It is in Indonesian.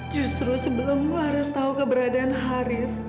justru sebelum laras tahu keberadaan haris